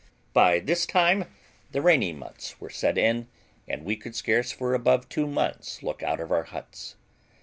By this time the rainy months were set in, and we could scarce, for above two months, look out of our huts.